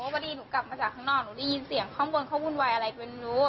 พอดีหนูกลับมาจากข้างนอกหนูได้ยินเสียงข้างบนเขาวุ่นวายอะไรก็ไม่รู้